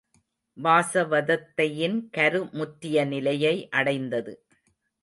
வாசவதத்தையின் கரு முற்றிய நிலையை அடைந்தது.